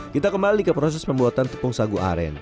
kita kembali ke proses pembuatan tepung sagu aren